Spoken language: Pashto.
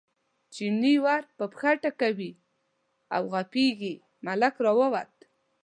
چیني ور په پښه ټکوي او غپېږي، ملک راووت.